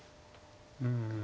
うん。